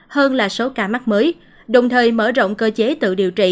hơn là số ca mắc mới đồng thời mở rộng cơ chế tự điều trị